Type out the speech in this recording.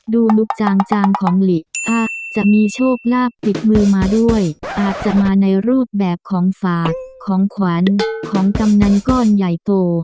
ลูกจางจางของหลีอะจะมีโชคลาภติดมือมาด้วยอาจจะมาในรูปแบบของฝากของขวัญของกำนันก้อนใหญ่โต